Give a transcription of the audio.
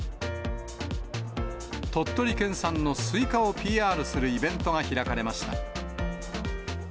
鳥取県産のすいかをＰＲするイベントが開かれました。